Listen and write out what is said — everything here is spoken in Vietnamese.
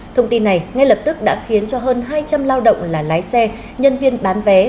thông tin này ngay lập tức đã khiến cho hơn hai trăm linh lao động là lái xe nhân viên bán vé